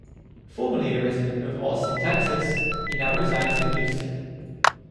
Formerly a resident of Austin, Texas, he now resides in Houston.